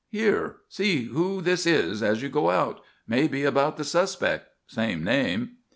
Here, see who this is as you go out. May be about the suspect. Same name."